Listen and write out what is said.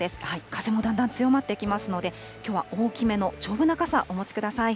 風もだんだん強まってきますので、きょうは大きめの丈夫な傘、お持ちください。